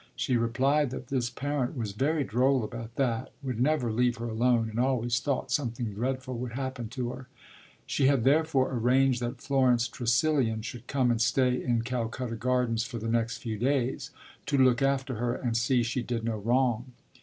She replied that this parent was very droll about that: would never leave her alone and always thought something dreadful would happen to her. She had therefore arranged that Florence Tressilian should come and stay in Calcutta Gardens for the next few days to look after her and see she did no wrong.